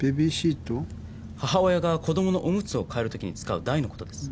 母親が子供のおむつを替えるときに使う台のことです。